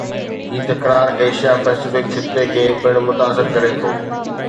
هي تڪرار ايشيا-پئسفڪ خطي کي پڻ متاثر ڪري ٿو